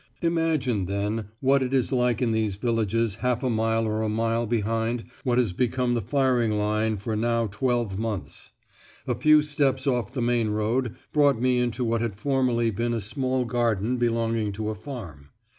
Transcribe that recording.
Imagine, then, what it is like in these villages half a mile or a mile behind what has been the firing line for now twelve months. A few steps off the main road brought me into what had formerly been a small garden belonging to a farm.